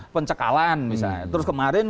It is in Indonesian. pencekalan misalnya terus kemarin